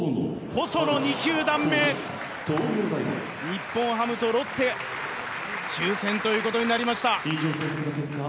日本ハムとロッテ、抽選ということになりました。